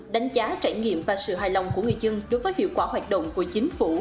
đánh giá trải nghiệm và sự hài lòng của người dân đối với hiệu quả hoạt động của chính phủ